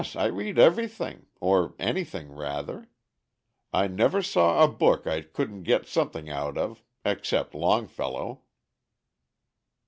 I read everything or anything, rather. I never saw a book I couldn't get something out of, except Longfellow."